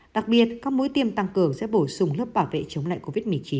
đặc biệt các mũi tiêm tăng cường sẽ bổ sung lớp bảo vệ chống lại covid một mươi chín